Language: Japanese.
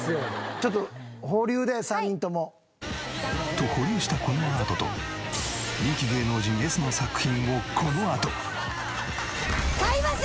ちょっと保留で３人とも。と保留したこのアートと人気芸能人Ｓの作品をこのあと。